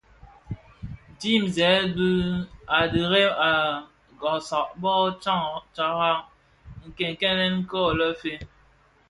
Ntizèn a dhirem a ghasag bō tsantaraň nkènkènèn ko le fe,